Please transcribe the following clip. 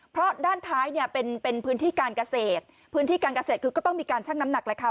เพราะด้านท้ายเนี่ยเป็นเป็นพื้นที่การเกษตรพื้นที่การเกษตรคือก็ต้องมีการชั่งน้ำหนักแหละค่ะ